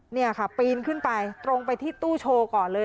นี่ค่ะปีนขึ้นไปตรงไปที่ตู้โชว์ก่อนเลย